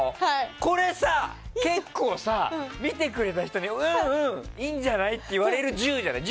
これさ、結構さ、見てくれた人にうんうん、いいんじゃない？って言われるルールじゃない。